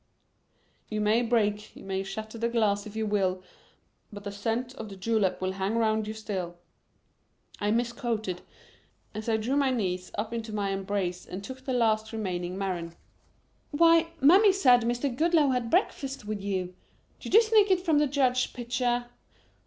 "'You may break, you may shatter the glass if you will, but the scent of the julep will hang 'round you still,'" I misquoted as I drew my knees up into my embrace and took the last remaining marron. "Why, Mammy said Mr. Goodloe had breakfast with you. Did you sneak it from the judge's pitcher?"